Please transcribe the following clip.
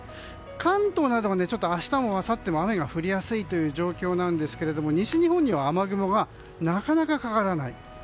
関東などは明日もあさっても雨が降りやすいという状況なんですけど西日本には雨雲がなかなかかからない。